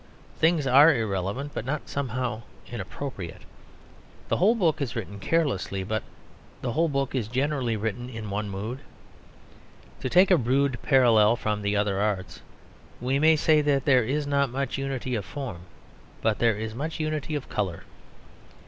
Things are irrelevant, but not somehow inappropriate. The whole book is written carelessly; but the whole book is generally written in one mood. To take a rude parallel from the other arts, we may say that there is not much unity of form, but there is much unity of colour.